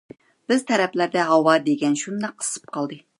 بىز تەرەپلەردە ھاۋا دېگەن شۇنداق ئىسسىپ قالدى.